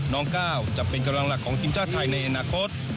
ก้าวจะเป็นกำลังหลักของทีมชาติไทยในอนาคต